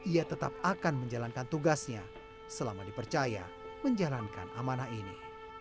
ia tetap akan menjalankan tugasnya selama dipercaya menjalankan amanah ini